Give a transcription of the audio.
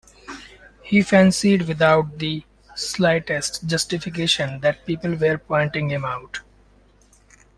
He fancied without the slightest justification that people were pointing him out.